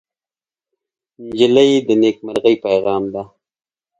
نجلۍ د نیکمرغۍ پېغام ده.